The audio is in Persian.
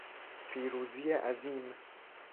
پیروزی عظیم